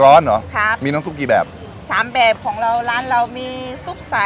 ร้อนเหรอครับมีน้ำซุปกี่แบบสามแบบของเราร้านเรามีซุปสาย